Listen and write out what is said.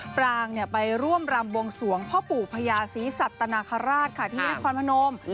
ปรางเนี้ยไปร่วมรำวงสวงพ่อปู่พญาศิสัตนคราชค่ะที่นครพนมอืม